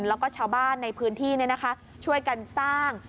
แล้วก็ชาวบ้านในพื้นที่เนี่ยนะคะช่วยกันสร้าง